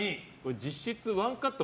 実質ワンカット